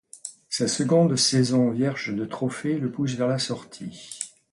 Sa seconde saison vierge de trophée le pousse vers la sortie.